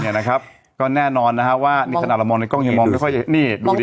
เนี่ยนะครับก็แน่นอนนะฮะว่านี่ขนาดเรามองในกล้องยังมองไม่ค่อยนี่ดูดิ